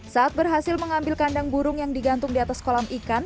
saat berhasil mengambil kandang burung yang digantung di atas kolam ikan